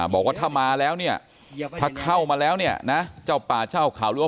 บอกว่าถ้ามาแล้วเนี่ยถ้าเข้ามาแล้วเนี่ยนะ